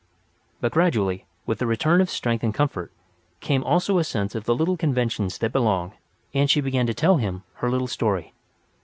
But gradually, with the return of strength and comfort, came also a sense of the little conventions that belong; and she began to tell him her little story.